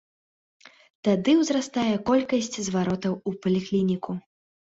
Тады ўзрастае колькасць зваротаў у паліклініку.